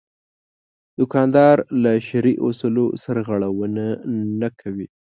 دوکاندار له شرعي اصولو سرغړونه نه کوي.